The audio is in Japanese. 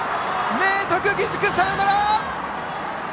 明徳義塾サヨナラ！